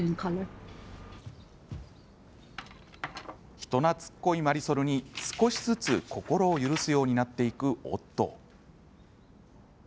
人なつっこいマリソルに少しずつ心を許すようになっていくオットー。